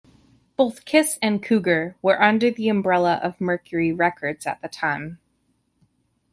Both Kiss and Cougar were under the umbrella of Mercury Records at the time.